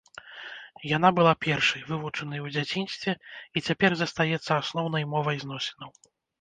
Яна была першай, вывучанай у дзяцінстве, і цяпер застаецца асноўнай мовай зносінаў.